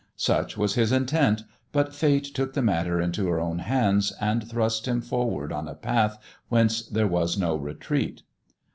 Such was his intent, bul Fate took the matter into her own hands, and thrust him forward on a path whence there was no retreat.